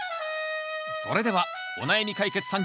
それではお悩み解決三